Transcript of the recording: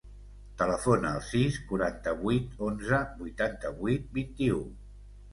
Telefona al sis, quaranta-vuit, onze, vuitanta-vuit, vint-i-u.